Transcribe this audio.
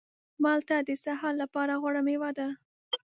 مالټه د سهار لپاره غوره مېوه ده.